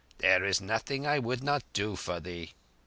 "There is nothing I would not do for thee."